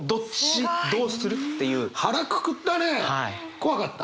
怖かった？